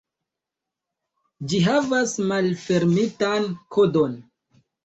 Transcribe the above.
Ĝi havas malfermitan kodon.